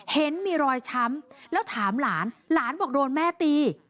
เห็นมีรอยช้ำแล้วถามหลานหลานบอกโดนแม่ตี